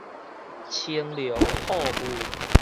青龍吐霧